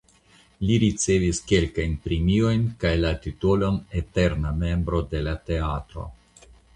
Li ricevis kelkajn premiojn kaj titolon "eterna membro de la teatro".